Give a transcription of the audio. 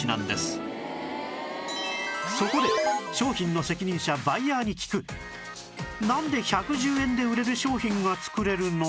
そこで商品の責任者バイヤーに聞くなんで１１０円で売れる商品が作れるの？